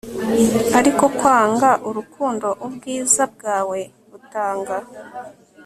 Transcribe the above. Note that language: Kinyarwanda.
ariko, kwanga urukundo ubwiza bwawe butanga